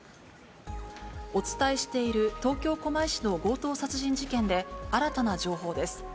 お伝えしている、東京・狛江市の強盗殺人事件で新たな情報です。